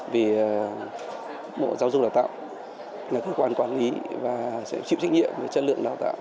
vì bộ giáo dục đào tạo là cơ quan quản lý và sẽ chịu trách nhiệm về chất lượng đào tạo